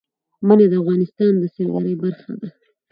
منی د افغانستان د سیلګرۍ برخه ده.